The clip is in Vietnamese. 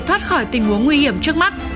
thoát khỏi tình huống nguy hiểm trước mắt